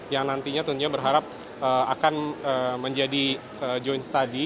yang nantinya tentunya berharap akan menjadi joint study